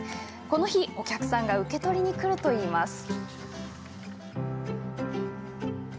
この日、お客さんが受け取りにくるといいます。